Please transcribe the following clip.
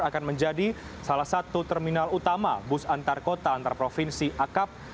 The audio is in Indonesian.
akan menjadi salah satu terminal utama bus antarkota antarprovinsi akap